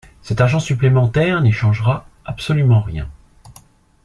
Cet argent supplémentaire n’y changera absolument rien.